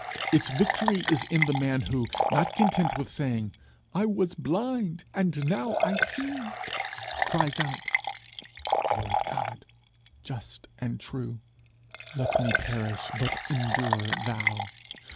Its victory is in the man who, not content with saying, 'I was blind and now I see,' cries out, 'Lord God, just and true, let me perish, but endure thou!